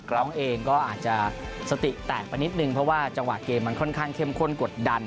ร้องเองก็อาจจะสติแตกไปนิดนึงเพราะว่าจังหวะเกมมันค่อนข้างเข้มข้นกดดัน